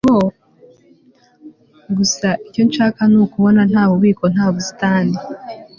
Gusa icyo nshaka nukubona nta bubiko nta busitani